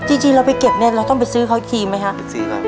จริงเราไปเก็บเนี่ยเราต้องไปซื้อเขาอีกทีไหมคะ